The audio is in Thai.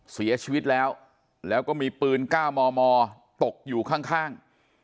เสียชีวิตแล้วแล้วก็มีปืน๙มมตกอยู่ข้าง